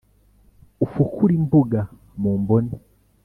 ufukure imbuga mu mbone